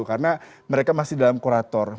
karena mereka masih dalam kurator